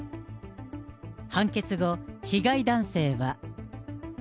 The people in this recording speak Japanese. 判決後、被害男性は。